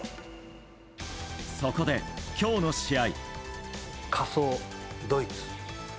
そこで、今日の試合。